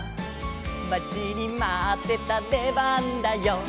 「まちにまってたでばんだよ」